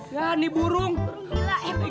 ya nih burung gila